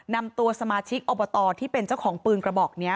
นำตัวสมาชิกอบตที่เป็นเจ้าของปืนกระบอกนี้